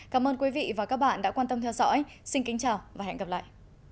cảm ơn các bạn đã theo dõi và hẹn gặp lại